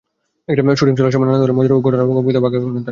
Shooting চলার সময়ের নানা ধরনের মজার ঘটনা এবং অভিজ্ঞতা ভাগাভাগি করেন তাঁরা।